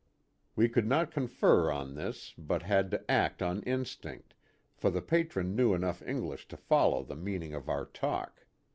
We could not confer on this but had to act on instinct, for the Patron knew enough English to follow the mean ing of our talk.